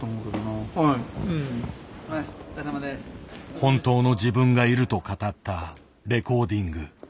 本当の自分がいると語ったレコーディング。